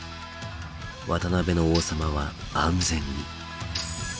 渡辺の王様は安全に。